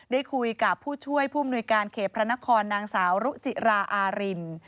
ได้คุยกับผู้ช่วยผู้มนุยการเขตพระนครนางสาวรุจิราอาริน